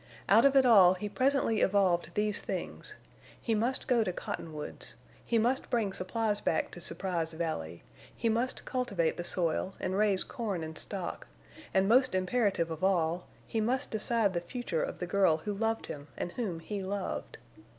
Out of it all he presently evolved these things: he must go to Cottonwoods; he must bring supplies back to Surprise Valley; he must cultivate the soil and raise corn and stock, and, most imperative of all, he must decide the future of the girl who loved him and whom he loved.